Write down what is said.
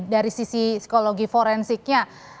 dari sisi psikologi forensiknya